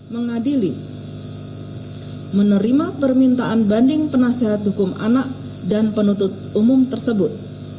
mengadili menerima permintaan banding penasihat hukum anak dan penuntut umum tersebut